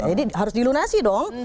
jadi harus dilunasi dong